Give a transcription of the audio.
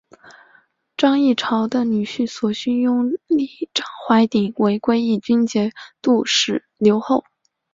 张议潮的女婿索勋拥立张淮鼎为归义军节度使留后。